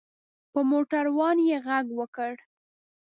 په موټر وان یې غږ وکړ.